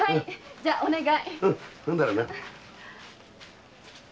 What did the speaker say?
じゃお願い。